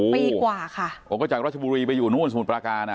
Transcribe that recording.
ปีกว่าค่ะโอ้ก็จากราชบุรีไปอยู่นู่นสมุทรปราการอ่ะ